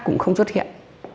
cũng không xuất hiện